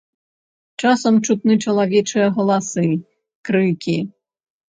Часам чутны чалавечыя галасы, крыкі.